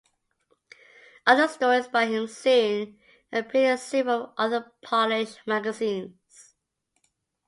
Other stories by him soon appeared in several other Polish magazines.